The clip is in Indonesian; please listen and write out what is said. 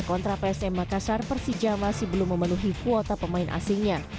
kontra psm makassar persija masih belum memenuhi kuota pemain asingnya